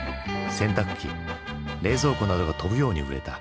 冷蔵庫などが飛ぶように売れた。